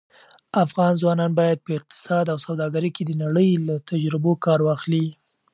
افغان ځوانان باید په اقتصاد او سوداګرۍ کې د نړۍ له تجربو کار واخلي.